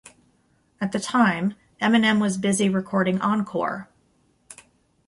At the time, Eminem was busy recording "Encore".